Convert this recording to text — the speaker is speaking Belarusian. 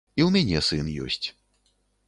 І ў мяне сын ёсць.